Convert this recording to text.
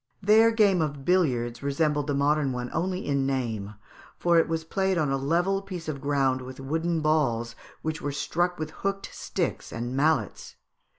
Their game of billiards resembled the modern one only in name, for it was played on a level piece of ground with wooden balls which were struck with hooked sticks and mallets.